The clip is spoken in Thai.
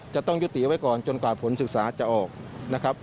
จะต้องยุติไว้ก่อนจนกว่าผลศึกษาจะออกนะครับ